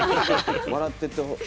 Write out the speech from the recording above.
笑ってて。